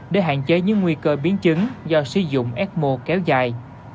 để hạn chế những nguy cơ biến chứng do sử dụng ecmo kéo dài